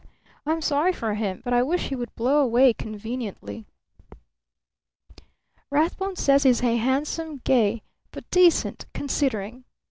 I'm sorry for him, but I wish he would blow away conveniently." "Rathbone says he's handsome, gay, but decent, considering.